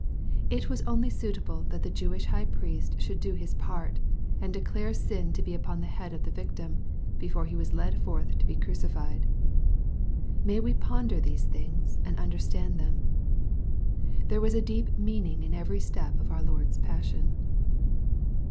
It was only suitable that the Jewish high priest should do his part, and declare sin to be upon the head of the victim, before he was led forth to be crucified. May we ponder these things and understand them. (There was a deep meaning in every step of our Lord's passion.